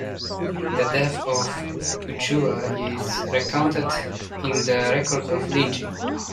The death of Puhua is recounted in the Record of Linji.